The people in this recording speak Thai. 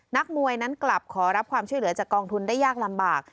นักมวยนั้นกลับขอรับความช่วยเหลือจากกองทุนได้ยากลำบาก